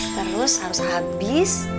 terus harus habis